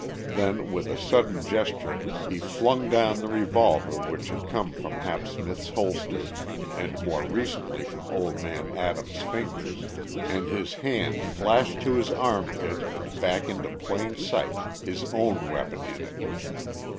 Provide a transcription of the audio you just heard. Then with a sudden gesture, he flung down the revolver which had come from Hap Smith's holster and more recently from old man Adams's fingers, and his hand flashed to his arm pit and back into plain sight, his own weapon in it.